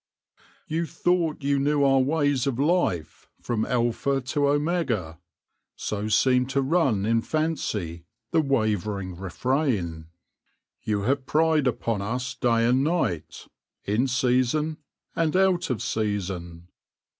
" You thought you knew our ways of life from Alpha to Omega "— so seemed to run, in fancy, the wavering refrain. " You have pried upon us day and night, in season and out of season.